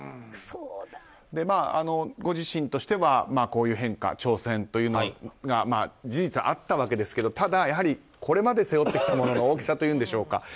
ご自身としては、こういう変化挑戦というのが事実、あったわけですがただこれまで背負ってきたものの大きさというんでしょうか。